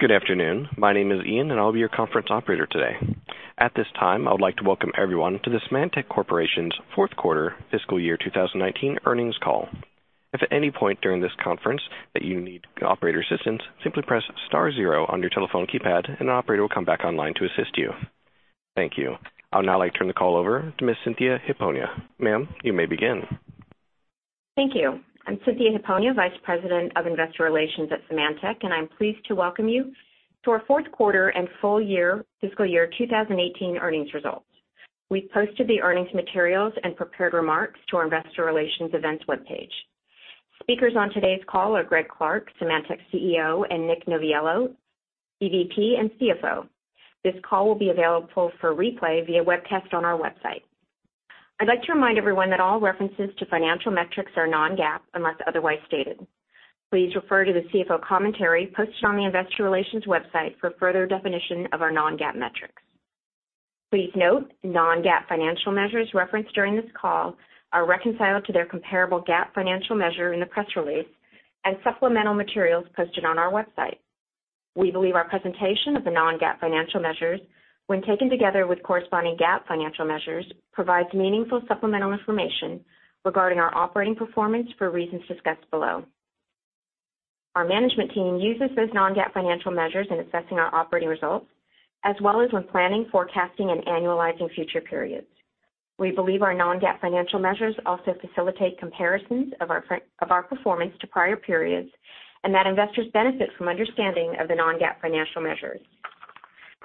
Good afternoon. My name is Ian, and I'll be your conference operator today. At this time, I would like to welcome everyone to the Symantec Corporation's fourth quarter fiscal year 2019 earnings call. If at any point during this conference that you need the operator's assistance, simply press star zero on your telephone keypad, and an operator will come back online to assist you. Thank you. I would now like to turn the call over to Ms. Cynthia Hiponia. Ma'am, you may begin. Thank you. I'm Cynthia Hiponia, Vice President of Investor Relations at Symantec, and I'm pleased to welcome you to our fourth quarter and full year fiscal year 2018 earnings results. We've posted the earnings materials and prepared remarks to our investor relations events webpage. Speakers on today's call are Greg Clark, Symantec's CEO, and Nick Noviello, EVP and CFO. This call will be available for replay via webcast on our website. I'd like to remind everyone that all references to financial metrics are non-GAAP, unless otherwise stated. Please refer to the CFO commentary posted on the investor relations website for further definition of our non-GAAP metrics. Please note non-GAAP financial measures referenced during this call are reconciled to their comparable GAAP financial measure in the press release and supplemental materials posted on our website. We believe our presentation of the non-GAAP financial measures, when taken together with corresponding GAAP financial measures, provides meaningful supplemental information regarding our operating performance for reasons discussed below. Our management team uses those non-GAAP financial measures in assessing our operating results, as well as when planning, forecasting, and annualizing future periods. We believe our non-GAAP financial measures also facilitate comparisons of our performance to prior periods, and that investors benefit from understanding of the non-GAAP financial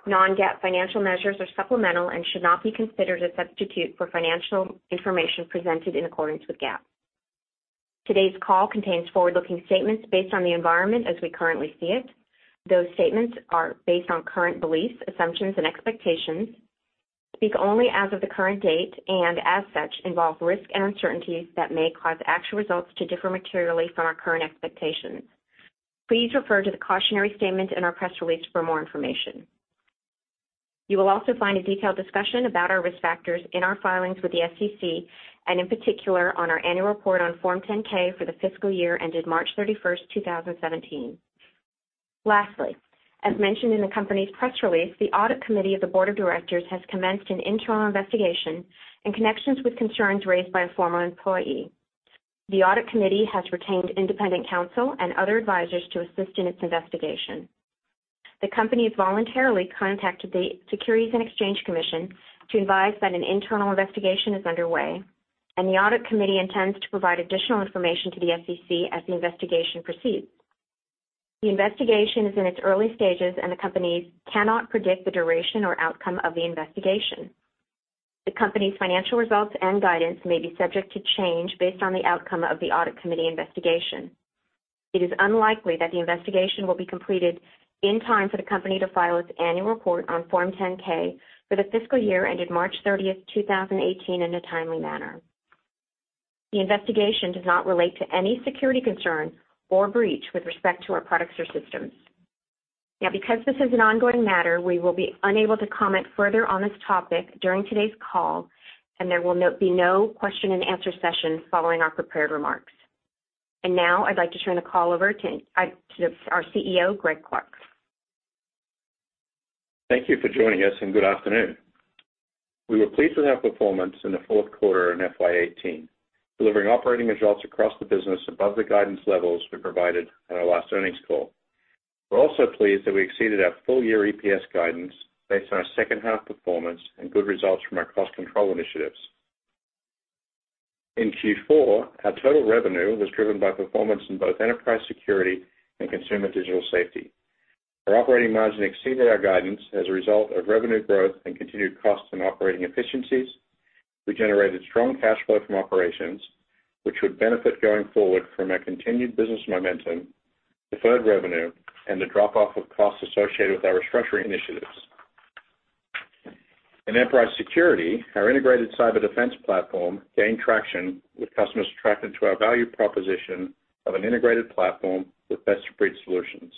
measures. Non-GAAP financial measures are supplemental and should not be considered a substitute for financial information presented in accordance with GAAP. Today's call contains forward-looking statements based on the environment as we currently see it. Those statements are based on current beliefs, assumptions, and expectations, speak only as of the current date, and as such, involve risks and uncertainties that may cause actual results to differ materially from our current expectations. Please refer to the cautionary statement in our press release for more information. You will also find a detailed discussion about our risk factors in our filings with the SEC, and in particular, on our annual report on Form 10-K for the fiscal year ended March 31st, 2017. Lastly, as mentioned in the company's press release, the audit committee of the board of directors has commenced an internal investigation in connections with concerns raised by a former employee. The audit committee has retained independent counsel and other advisors to assist in its investigation. The company has voluntarily contacted the Securities and Exchange Commission to advise that an internal investigation is underway, and the audit committee intends to provide additional information to the SEC as the investigation proceeds. The investigation is in its early stages, and the company cannot predict the duration or outcome of the investigation. The company's financial results and guidance may be subject to change based on the outcome of the audit committee investigation. It is unlikely that the investigation will be completed in time for the company to file its annual report on Form 10-K for the fiscal year ended March 30th, 2018 in a timely manner. The investigation does not relate to any security concern or breach with respect to our products or systems. Because this is an ongoing matter, we will be unable to comment further on this topic during today's call, and there will be no question and answer session following our prepared remarks. I'd like to turn the call over to our CEO, Greg Clark. Thank you for joining us, and good afternoon. We were pleased with our performance in the fourth quarter and FY 2018, delivering operating results across the business above the guidance levels we provided on our last earnings call. We are also pleased that we exceeded our full-year EPS guidance based on our second half performance and good results from our cost control initiatives. In Q4, our total revenue was driven by performance in both Enterprise Security and Consumer Digital Safety. Our operating margin exceeded our guidance as a result of revenue growth and continued costs and operating efficiencies. We generated strong cash flow from operations, which would benefit going forward from our continued business momentum, deferred revenue, and the drop-off of costs associated with our restructuring initiatives. In Enterprise Security, our Integrated Cyber Defense Platform gained traction with customers attracted to our value proposition of an integrated platform with best-of-breed solutions.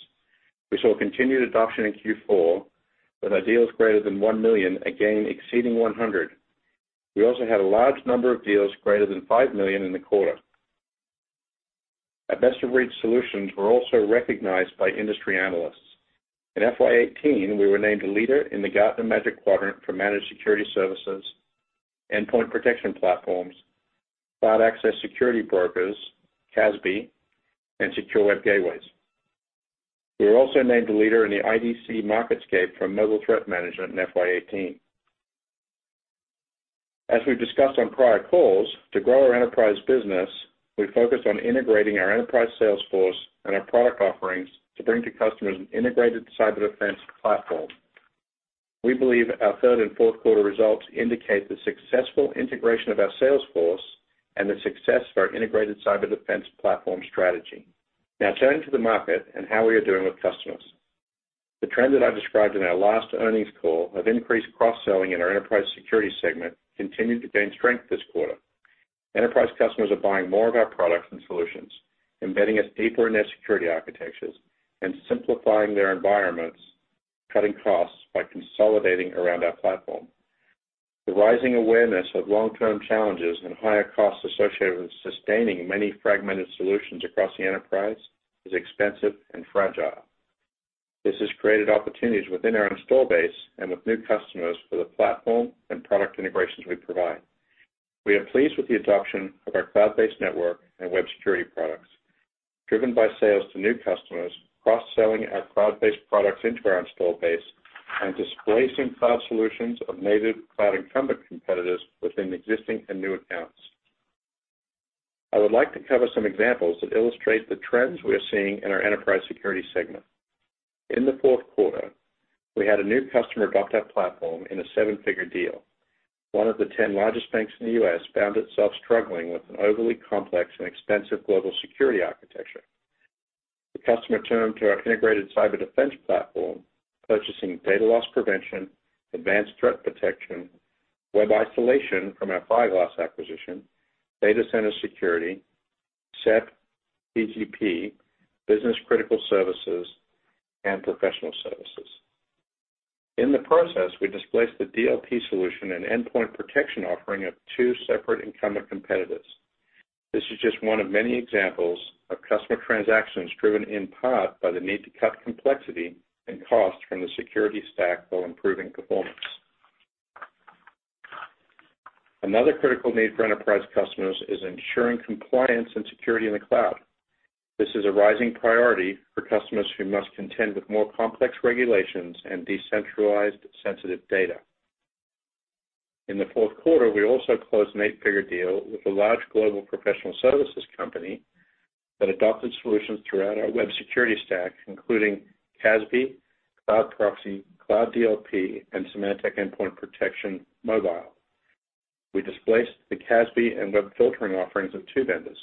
We saw continued adoption in Q4 with our deals greater than $1 million again exceeding 100. We also had a large number of deals greater than $5 million in the quarter. Our best-of-breed solutions were also recognized by industry analysts. In FY 2018, we were named a leader in the Gartner Magic Quadrant for managed security services, endpoint protection platforms, cloud access security brokers, CASB, and secure web gateways. We were also named a leader in the IDC MarketScape for mobile threat management in FY 2018. As we have discussed on prior calls, to grow our enterprise business, we focused on integrating our enterprise sales force and our product offerings to bring to customers an Integrated Cyber Defense Platform. We believe our third and fourth quarter results indicate the successful integration of our sales force and the success of our Integrated Cyber Defense Platform strategy. Turning to the market and how we are doing with customers. The trend that I described in our last earnings call of increased cross-selling in our Enterprise Security segment continued to gain strength this quarter. Enterprise customers are buying more of our products and solutions, embedding us deeper in their security architectures, and simplifying their environments, cutting costs by consolidating around our platform. The rising awareness of long-term challenges and higher costs associated with sustaining many fragmented solutions across the enterprise is expensive and fragile. This has created opportunities within our install base and with new customers for the platform and product integrations we provide. We are pleased with the adoption of our cloud-based network and web security products, driven by sales to new customers, cross-selling our cloud-based products into our install base, and displacing cloud solutions of native cloud incumbent competitors within existing and new accounts. I would like to cover some examples that illustrate the trends we are seeing in our Enterprise Security segment. In the fourth quarter, we had a new customer adopt our platform in a $7-figure deal. One of the 10 largest banks in the U.S. found itself struggling with an overly complex and expensive global security architecture. The customer turned to our Integrated Cyber Defense Platform, purchasing Data Loss Prevention, Advanced Threat Protection, web isolation from our Fireglass acquisition, data center security, SEP PGP, business-critical services, and professional services. In the process, we displaced the DLP solution and endpoint protection offering of two separate incumbent competitors. This is just one of many examples of customer transactions driven in part by the need to cut complexity and cost from the security stack while improving performance. Another critical need for Enterprise customers is ensuring compliance and security in the cloud. This is a rising priority for customers who must contend with more complex regulations and decentralized sensitive data. In the fourth quarter, we also closed an $8-figure deal with a large global professional services company that adopted solutions throughout our web security stack, including CASB, cloud proxy, cloud DLP, and Symantec Endpoint Protection Mobile. We displaced the CASB and web filtering offerings of two vendors.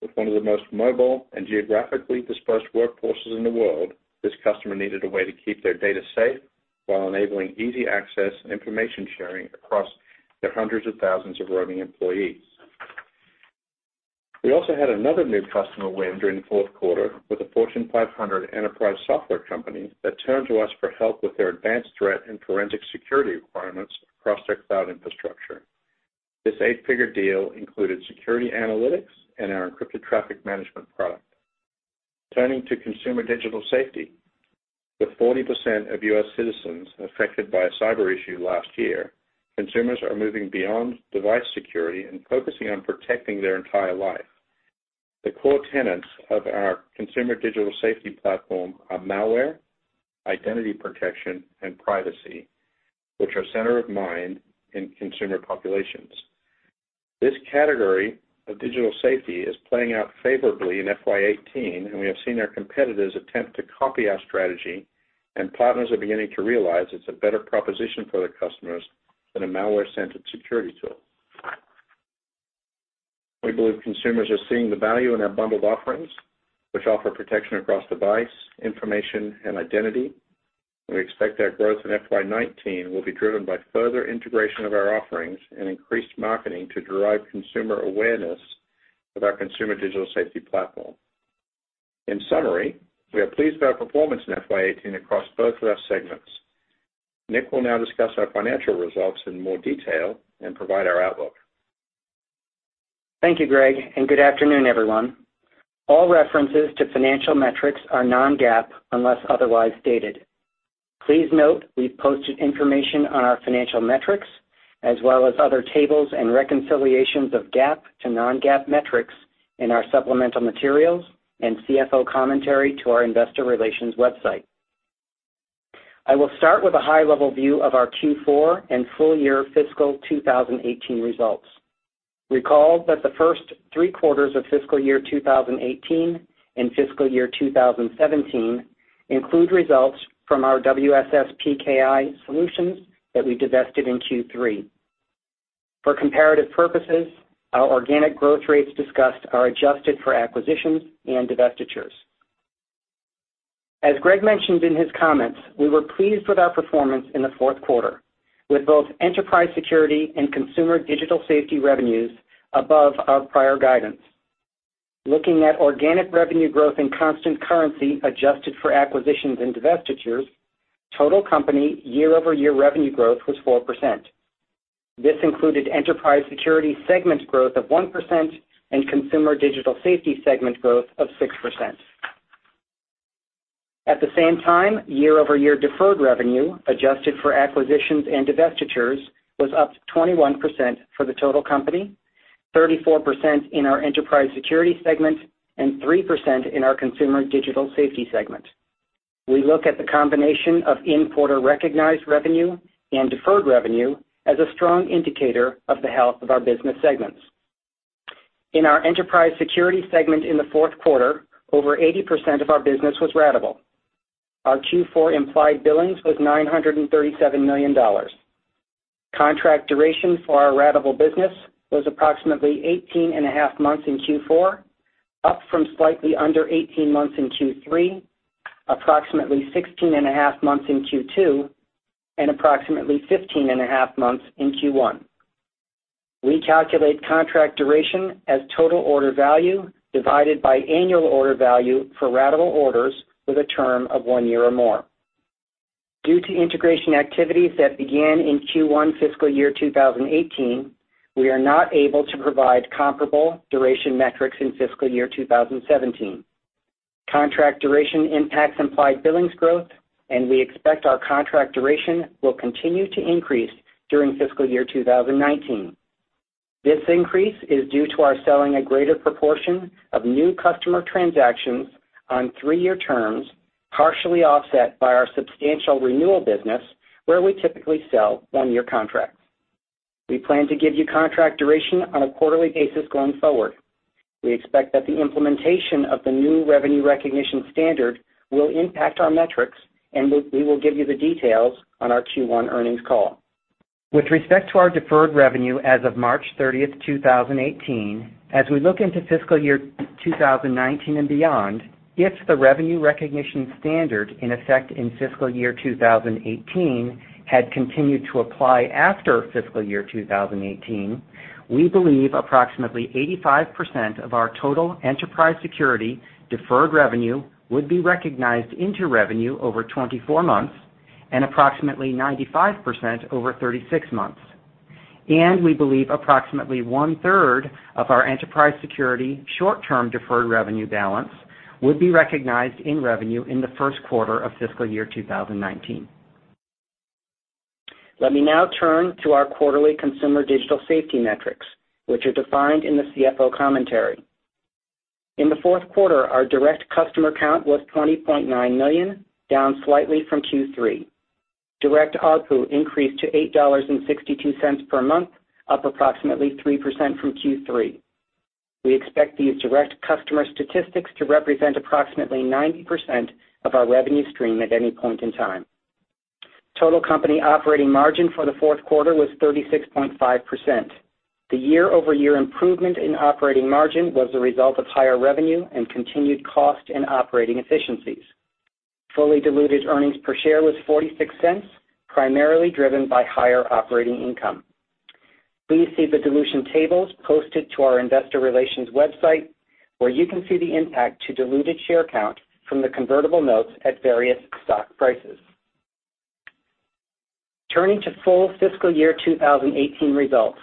With one of the most mobile and geographically dispersed workforces in the world, this customer needed a way to keep their data safe while enabling easy access and information sharing across their hundreds of thousands of roaming employees. We also had another new customer win during the fourth quarter with a Fortune 500 enterprise software company that turned to us for help with their advanced threat and forensic security requirements across their cloud infrastructure. This $8-figure deal included security analytics and our encrypted traffic management product. Turning to Consumer Digital Safety, with 40% of U.S. citizens affected by a cyber issue last year, consumers are moving beyond device security and focusing on protecting their entire life. The core tenets of our Consumer Digital Safety platform are malware, identity protection, and privacy, which are center of mind in consumer populations. This category of digital safety is playing out favorably in FY 2018, and we have seen our competitors attempt to copy our strategy, and partners are beginning to realize it's a better proposition for their customers than a malware-centered security tool. We believe consumers are seeing the value in our bundled offerings, which offer protection across device, information, and identity. We expect our growth in FY 2019 will be driven by further integration of our offerings and increased marketing to derive consumer awareness of our Consumer Digital Safety platform. In summary, we are pleased with our performance in FY 2018 across both of our segments. Nick will now discuss our financial results in more detail and provide our outlook. Thank you, Greg, and good afternoon, everyone. All references to financial metrics are non-GAAP unless otherwise stated. Please note we've posted information on our financial metrics as well as other tables and reconciliations of GAAP to non-GAAP metrics in our supplemental materials and CFO commentary to our investor relations website. I will start with a high-level view of our Q4 and full-year fiscal year 2018 results. Recall that the first three quarters of fiscal year 2018 and fiscal year 2017 include results from our WSS/PKI solutions that we divested in Q3. For comparative purposes, our organic growth rates discussed are adjusted for acquisitions and divestitures. As Greg mentioned in his comments, we were pleased with our performance in the fourth quarter, with both Enterprise Security and Consumer Digital Safety revenues above our prior guidance. Looking at organic revenue growth in constant currency adjusted for acquisitions and divestitures, total company year-over-year revenue growth was 4%. This included Enterprise Security segment growth of 1% and Consumer Digital Safety segment growth of 6%. At the same time, year-over-year deferred revenue, adjusted for acquisitions and divestitures, was up 21% for the total company, 34% in our Enterprise Security segment, and 3% in our Consumer Digital Safety segment. We look at the combination of in-quarter recognized revenue and deferred revenue as a strong indicator of the health of our business segments. In our Enterprise Security segment in the fourth quarter, over 80% of our business was ratable. Our Q4 implied billings was $937 million. Contract duration for our ratable business was approximately 18 and a half months in Q4, up from slightly under 18 months in Q3, approximately 16 and a half months in Q2, and approximately 15 and a half months in Q1. We calculate contract duration as total order value divided by annual order value for ratable orders with a term of one year or more. Due to integration activities that began in Q1 fiscal year 2018, we are not able to provide comparable duration metrics in fiscal year 2017. Contract duration impacts implied billings growth. We expect our contract duration will continue to increase during fiscal year 2019. This increase is due to our selling a greater proportion of new customer transactions on three-year terms, partially offset by our substantial renewal business, where we typically sell one-year contracts. We plan to give you contract duration on a quarterly basis going forward. We expect that the implementation of the new revenue recognition standard will impact our metrics. We will give you the details on our Q1 earnings call. With respect to our deferred revenue as of March 30th, 2018, as we look into fiscal year 2019 and beyond, if the revenue recognition standard in effect in fiscal year 2018 had continued to apply after fiscal year 2018, we believe approximately 85% of our total Enterprise Security deferred revenue would be recognized into revenue over 24 months and approximately 95% over 36 months. We believe approximately one-third of our Enterprise Security short-term deferred revenue balance would be recognized in revenue in the first quarter of fiscal year 2019. Let me now turn to our quarterly Consumer Digital Safety metrics, which are defined in the CFO commentary. In the fourth quarter, our direct customer count was 20.9 million, down slightly from Q3. Direct ARPU increased to $8.62 per month, up approximately 3% from Q3. We expect these direct customer statistics to represent approximately 90% of our revenue stream at any point in time. Total company operating margin for the fourth quarter was 36.5%. The year-over-year improvement in operating margin was the result of higher revenue and continued cost and operating efficiencies. Fully diluted earnings per share was $0.46, primarily driven by higher operating income. Please see the dilution tables posted to our investor relations website where you can see the impact to diluted share count from the convertible notes at various stock prices. Turning to full fiscal year 2018 results.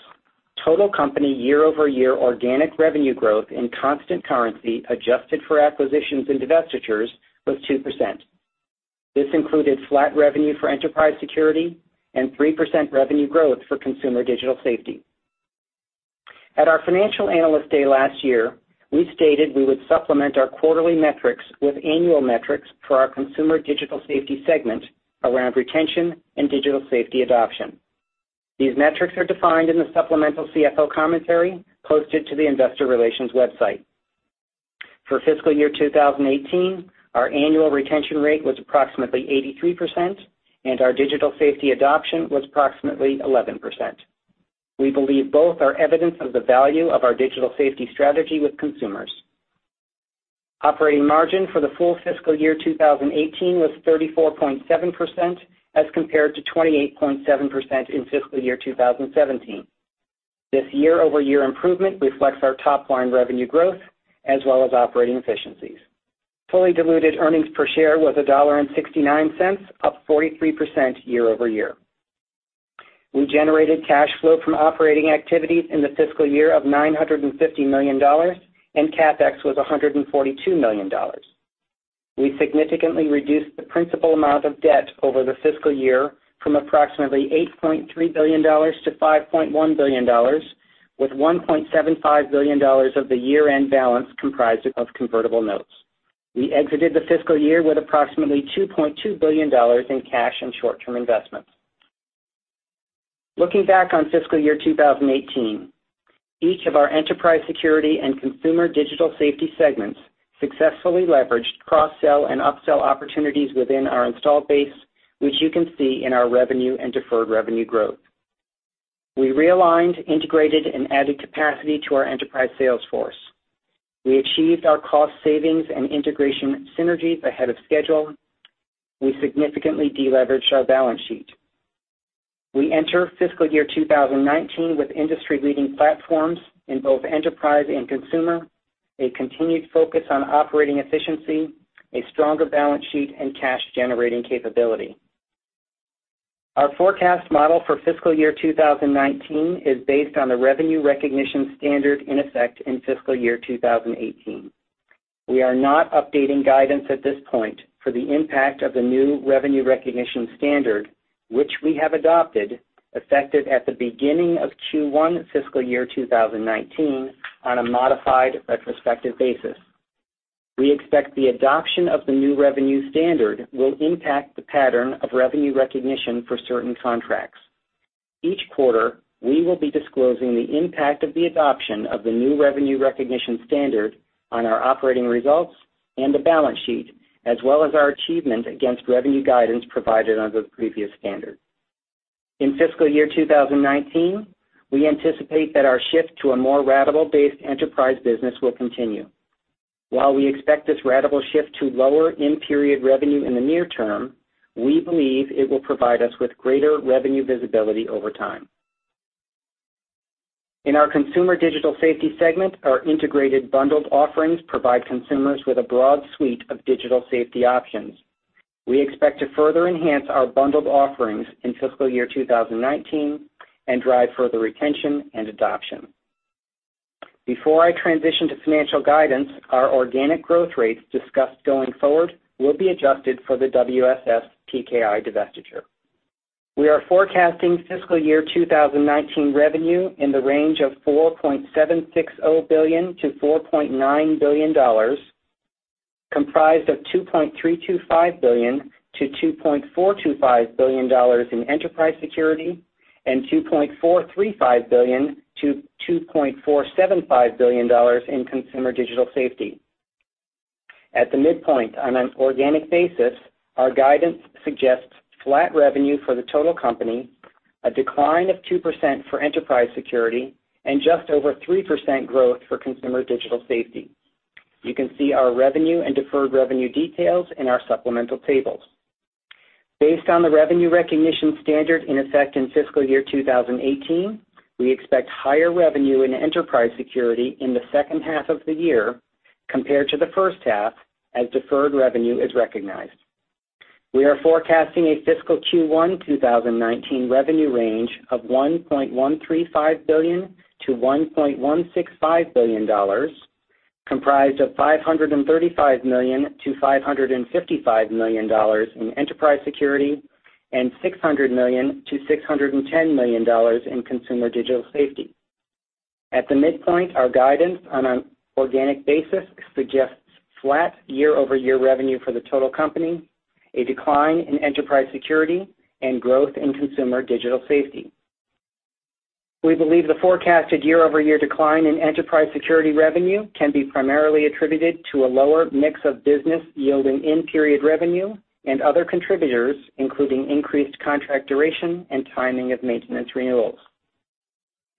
Total company year-over-year organic revenue growth in constant currency, adjusted for acquisitions and divestitures, was 2%. This included flat revenue for Enterprise Security and 3% revenue growth for Consumer Digital Safety. At our Financial Analyst Day last year, we stated we would supplement our quarterly metrics with annual metrics for our Consumer Digital Safety segment around retention and digital safety adoption. These metrics are defined in the supplemental CFO commentary posted to the investor relations website. For fiscal year 2018, our annual retention rate was approximately 83%, and our digital safety adoption was approximately 11%. We believe both are evidence of the value of our digital safety strategy with consumers. Operating margin for the full fiscal year 2018 was 34.7%, as compared to 28.7% in fiscal year 2017. This year-over-year improvement reflects our top-line revenue growth as well as operating efficiencies. Fully diluted earnings per share was $1.69, up 43% year-over-year. We generated cash flow from operating activities in the fiscal year of $950 million, and CapEx was $142 million. We significantly reduced the principal amount of debt over the fiscal year from approximately $8.3 billion to $5.1 billion, with $1.75 billion of the year-end balance comprised of convertible notes. We exited the fiscal year with approximately $2.2 billion in cash and short-term investments. Looking back on fiscal year 2018, each of our Enterprise Security and Consumer Digital Safety segments successfully leveraged cross-sell and upsell opportunities within our installed base, which you can see in our revenue and deferred revenue growth. We realigned, integrated, and added capacity to our enterprise sales force. We achieved our cost savings and integration synergies ahead of schedule. We significantly de-leveraged our balance sheet. We enter fiscal year 2019 with industry-leading platforms in both enterprise and consumer, a continued focus on operating efficiency, a stronger balance sheet, and cash-generating capability. Our forecast model for fiscal year 2019 is based on the revenue recognition standard in effect in fiscal year 2018. We are not updating guidance at this point for the impact of the new revenue recognition standard, which we have adopted, effective at the beginning of Q1 fiscal year 2019 on a modified retrospective basis. We expect the adoption of the new revenue standard will impact the pattern of revenue recognition for certain contracts. Each quarter, we will be disclosing the impact of the adoption of the new revenue recognition standard on our operating results and the balance sheet, as well as our achievement against revenue guidance provided under the previous standard. In fiscal year 2019, we anticipate that our shift to a more ratable-based enterprise business will continue. While we expect this ratable shift to lower in-period revenue in the near term, we believe it will provide us with greater revenue visibility over time. In our Consumer Digital Safety segment, our integrated bundled offerings provide consumers with a broad suite of digital safety options. We expect to further enhance our bundled offerings in fiscal year 2019 and drive further retention and adoption. Before I transition to financial guidance, our organic growth rates discussed going forward will be adjusted for the WSS/PKI divestiture. We are forecasting fiscal year 2019 revenue in the range of $4.760 billion-$4.9 billion, comprised of $2.325 billion-$2.425 billion in Enterprise Security and $2.435 billion-$2.475 billion in Consumer Digital Safety. At the midpoint, on an organic basis, our guidance suggests flat revenue for the total company, a decline of 2% for Enterprise Security, and just over 3% growth for Consumer Digital Safety. You can see our revenue and deferred revenue details in our supplemental tables. Based on the revenue recognition standard in effect in fiscal year 2018, we expect higher revenue in Enterprise Security in the second half of the year compared to the first half, as deferred revenue is recognized. We are forecasting a fiscal Q1 2019 revenue range of $1.135 billion-$1.165 billion, comprised of $535 million-$555 million in Enterprise Security and $600 million-$610 million in Consumer Digital Safety. At the midpoint, our guidance on an organic basis suggests flat year-over-year revenue for the total company, a decline in Enterprise Security, and growth in Consumer Digital Safety. We believe the forecasted year-over-year decline in Enterprise Security revenue can be primarily attributed to a lower mix of business yielding in-period revenue and other contributors, including increased contract duration and timing of maintenance renewals.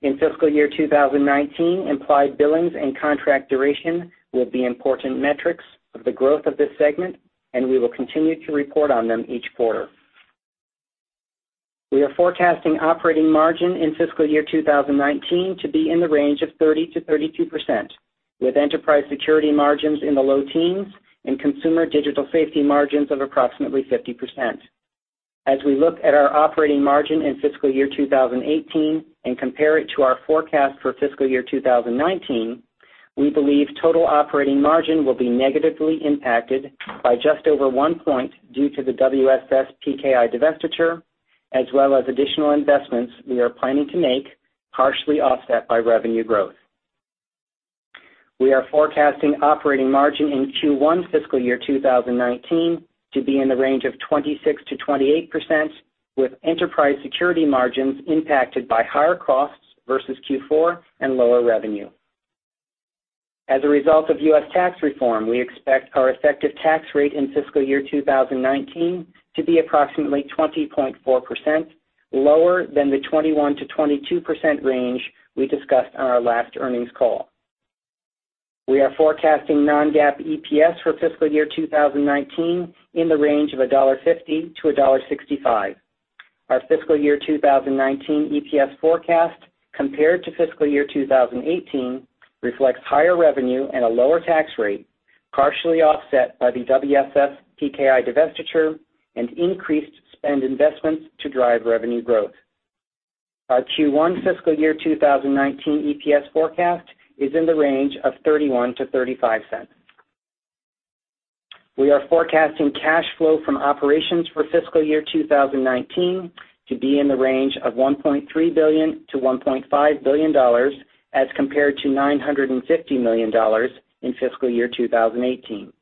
In fiscal year 2019, implied billings and contract duration will be important metrics of the growth of this segment, and we will continue to report on them each quarter. We are forecasting operating margin in fiscal year 2019 to be in the range of 30%-32%, with Enterprise Security margins in the low teens and Consumer Digital Safety margins of approximately 50%. As we look at our operating margin in fiscal year 2018 and compare it to our forecast for fiscal year 2019, we believe total operating margin will be negatively impacted by just over one point due to the WSS/PKI divestiture, as well as additional investments we are planning to make, partially offset by revenue growth. We are forecasting operating margin in Q1 fiscal year 2019 to be in the range of 26%-28%, with Enterprise Security margins impacted by higher costs versus Q4 and lower revenue. As a result of U.S. tax reform, we expect our effective tax rate in fiscal year 2019 to be approximately 20.4%, lower than the 21%-22% range we discussed on our last earnings call. We are forecasting non-GAAP EPS for fiscal year 2019 in the range of $1.50-$1.65. Our fiscal year 2019 EPS forecast compared to fiscal year 2018 reflects higher revenue and a lower tax rate, partially offset by the WSS PKI divestiture and increased spend investments to drive revenue growth. Our Q1 fiscal year 2019 EPS forecast is in the range of $0.31-$0.35. We are forecasting cash flow from operations for fiscal year 2019 to be in the range of $1.3 billion-$1.5 billion, as compared to $950 million in fiscal year 2018.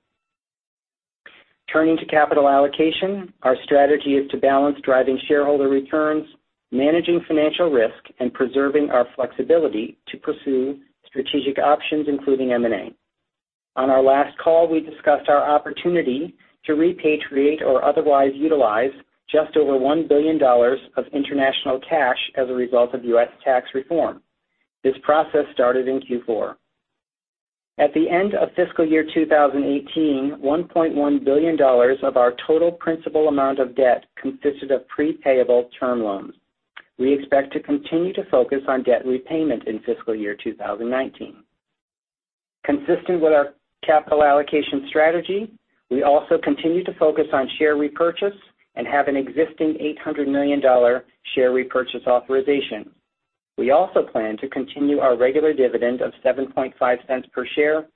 Turning to capital allocation, our strategy is to balance driving shareholder returns, managing financial risk, and preserving our flexibility to pursue strategic options, including M&A. On our last call, we discussed our opportunity to repatriate or otherwise utilize just over $1 billion of international cash as a result of U.S. tax reform. This process started in Q4. At the end of fiscal year 2018, $1.1 billion of our total principal amount of debt consisted of pre-payable term loans. We expect to continue to focus on debt repayment in fiscal year 2019. Consistent with our capital allocation strategy, we also continue to focus on share repurchase and have an existing $800 million share repurchase authorization. We also plan to continue our regular dividend of $0.075 per share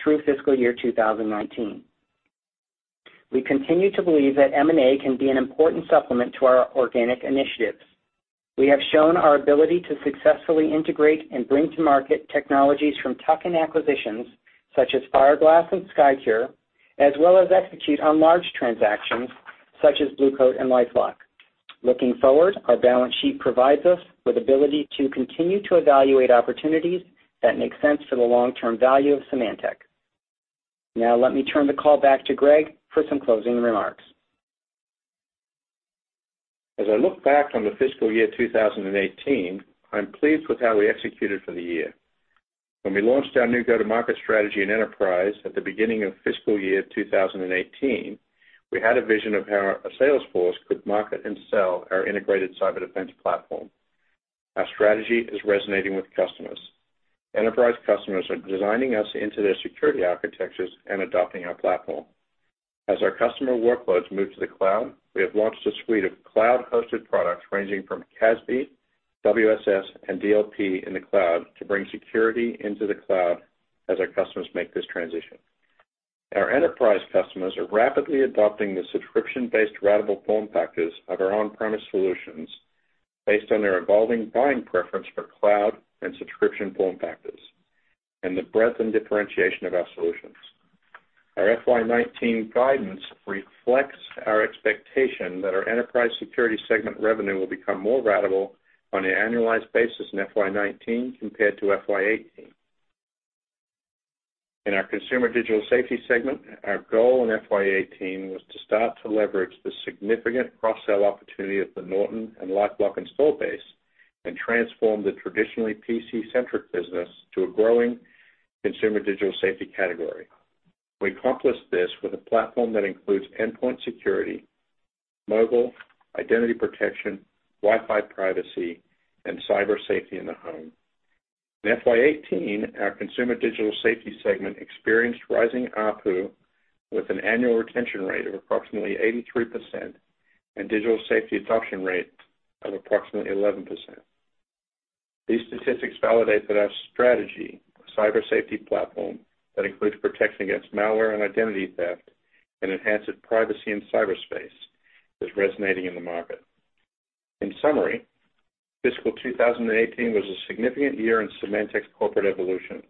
through fiscal year 2019. We continue to believe that M&A can be an important supplement to our organic initiatives. We have shown our ability to successfully integrate and bring to market technologies from tuck-in acquisitions such as Fireglass and Skycure, as well as execute on large transactions such as Blue Coat and LifeLock. Looking forward, our balance sheet provides us with ability to continue to evaluate opportunities that make sense for the long-term value of Symantec. Let me turn the call back to Greg for some closing remarks. As I look back on the fiscal year 2018, I'm pleased with how we executed for the year. When we launched our new go-to-market strategy and enterprise at the beginning of fiscal year 2018, we had a vision of how our sales force could market and sell our Integrated Cyber Defense Platform. Our strategy is resonating with customers. Enterprise customers are designing us into their security architectures and adopting our platform. As our customer workloads move to the cloud, we have launched a suite of cloud-hosted products ranging from CASB, WSS, and DLP in the cloud to bring security into the cloud as our customers make this transition. Our enterprise customers are rapidly adopting the subscription-based ratable form factors of our on-premise solutions based on their evolving buying preference for cloud and subscription form factors and the breadth and differentiation of our solutions. Our FY 2019 guidance reflects our expectation that our Enterprise Security segment revenue will become more ratable on an annualized basis in FY 2019 compared to FY 2018. In our Consumer Digital Safety segment, our goal in FY 2018 was to start to leverage the significant cross-sell opportunity of the Norton and LifeLock install base and transform the traditionally PC-centric business to a growing Consumer Digital Safety category. We accomplished this with a platform that includes endpoint security, mobile, identity protection, Wi-Fi privacy, and cyber safety in the home. In FY 2018, our Consumer Digital Safety segment experienced rising ARPU with an annual retention rate of approximately 83% and digital safety adoption rate of approximately 11%. These statistics validate that our strategy, a cyber safety platform that includes protection against malware and identity theft and enhances privacy in cyberspace, is resonating in the market. In summary, fiscal 2018 was a significant year in Symantec's corporate evolution,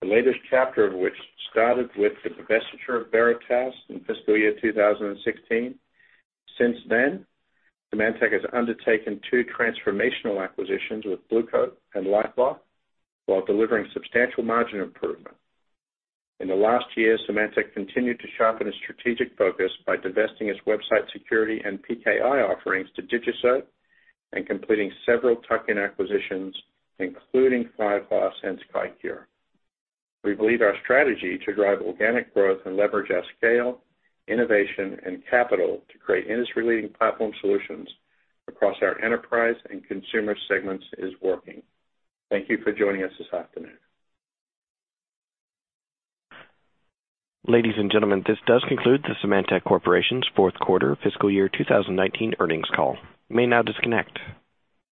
the latest chapter of which started with the divestiture of Veritas in fiscal year 2016. Since then, Symantec has undertaken two transformational acquisitions with Blue Coat and LifeLock while delivering substantial margin improvement. In the last year, Symantec continued to sharpen its strategic focus by divesting its website security and PKI solutions to DigiCert and completing several tuck-in acquisitions, including Fireglass and Skycure. We believe our strategy to drive organic growth and leverage our scale, innovation, and capital to create industry-leading platform solutions across our enterprise and consumer segments is working. Thank you for joining us this afternoon. Ladies and gentlemen, this does conclude the Symantec Corporation's fourth quarter fiscal year 2019 earnings call. You may now disconnect.